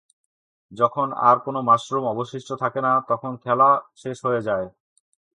যখন আর কোন মাশরুম অবশিষ্ট থাকে না তখন খেলা শেষ হয়ে যায়।